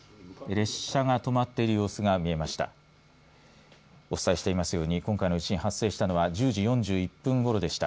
列車が止まっている様子が見えました。